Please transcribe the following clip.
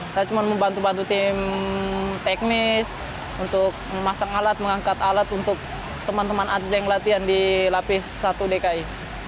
saya cuma membantu bantu tim teknis untuk memasang alat mengangkat alat untuk teman teman atlet yang latihan di lapis satu dki